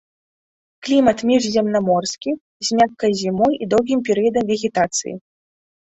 Клімат міжземнаморскі з мяккай зімой і доўгім перыядам вегетацыі.